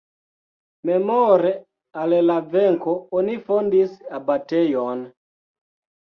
Memore al la venko oni fondis abatejon.